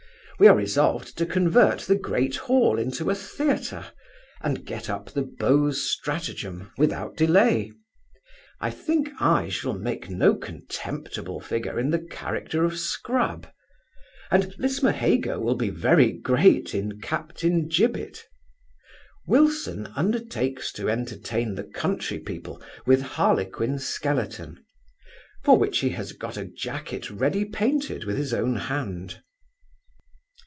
We are resolved to convert the great hall into a theatre, and get up the Beaux Stratagem without delay I think I shall make no contemptible figure in the character of Scrub; and Lismahago will be very great in Captain Gibbet. Wilson undertakes to entertain the country people with Harlequin Skeleton, for which he has got a jacket ready painted with his own hand.